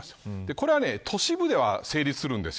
これは都市部では成立するんです。